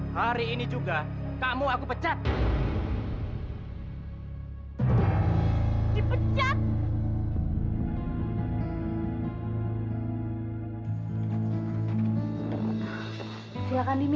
dan yang terpenting